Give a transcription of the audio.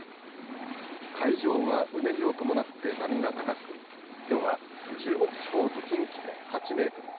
海上はうねりを伴って波が高くきょうは中国地方と近畿で８メートル